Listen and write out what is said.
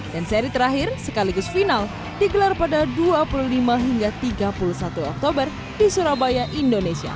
dan seri terakhir sekaligus final digelar pada dua puluh lima hingga tiga puluh satu oktober di surabaya indonesia